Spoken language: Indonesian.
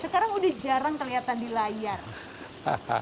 sekarang udah jarang kelihatan di layar